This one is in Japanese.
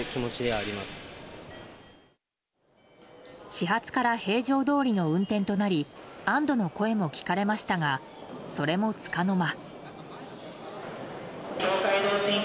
始発から平常どおりの運転となり安堵の声も聞かれましたがそれもつかの間。